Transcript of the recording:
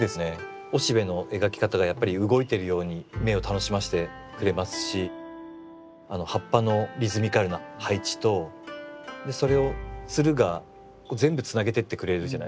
雄しべの描き方がやっぱり動いてるように目を楽しませてくれますし葉っぱのリズミカルな配置とでそれをツルが全部つなげてってくれるじゃないですか。